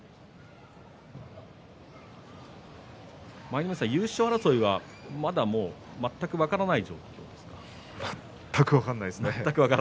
舞の海さん、優勝争いはまだ全く分からない状況ですか？